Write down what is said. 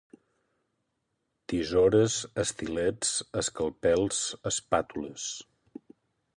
Tisores, estilets, escalpels, espàtules.